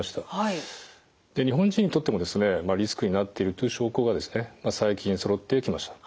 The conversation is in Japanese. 日本人にとってもリスクになっているという証拠が最近そろってきました。